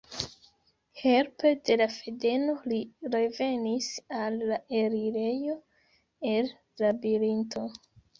Helpe de la fadeno li revenis al la elirejo el Labirinto.